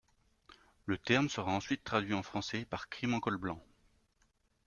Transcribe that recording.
Le terme sera ensuite traduit en français par crime en col blanc.